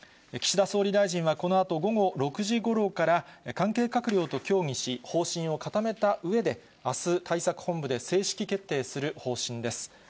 岸田総理大臣はこのあと午後６時ごろから関係閣僚と協議し、方針を固めたうえで、あす、対策本部で正式決定する方針です。